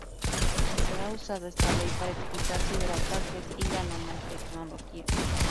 Se ha usado esta ley para explicar ciber-ataques y la nanotecnología.